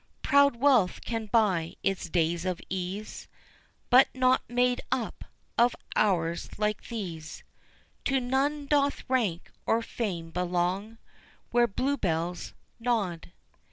Proud wealth can buy its days of ease, But not made up of hours like these; To none doth rank or fame belong Where blue bells nod.